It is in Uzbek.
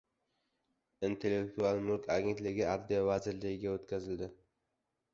Intellektual mulk agentligi Adliya vazirligiga o‘tkazildi